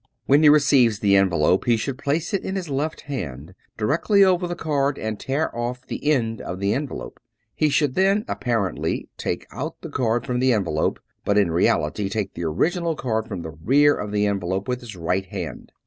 When he receives the envelope he should place it in his left hand directly over the card and tear off the end of the en velope. He should then apparently take out the card from the envelope, but in reality take the original card from the rear of the envelope with his right hand.